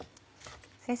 先生